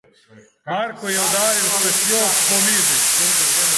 Marko je udaril s pestjo po mizi.